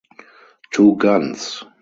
Two guns.